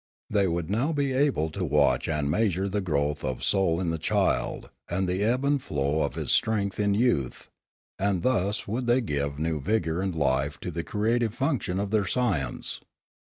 They would now be able to watch and measure the growth of soul in the child, and the ebb and flow of its strength in youth ; and thus would they give new vigour and life to the creative function of their science.